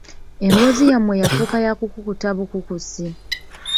Emboozi yammwe yafuuka ya kukukuta bukukusi.